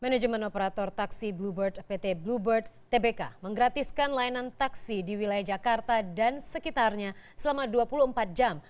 manajemen operator taksi bluebird pt bluebird tbk menggratiskan layanan taksi di wilayah jakarta dan sekitarnya selama dua puluh empat jam